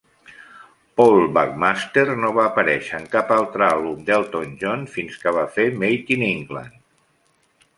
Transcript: Paul Buckmaster no va aparèixer en cap altre àlbum d'Elton John fins que va fer "Made in England".